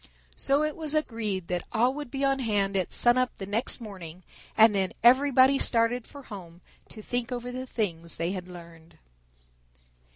So it was agreed that all would be on hand at sun up the next morning, and then everybody started for home to think over the things they had learned.